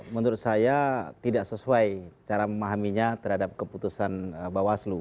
menurut saya tidak sesuai cara memahaminya terhadap keputusan bawaslu